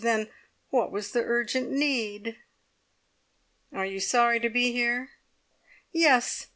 Then what was the urgent need?" "Are you sorry to be here?" "Yes!